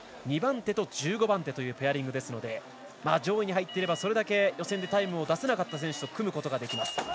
２番手と１５番手というペアリングですので上位に入っていれば、それだけ予選でタイムを出せなかった選手と組むことができます。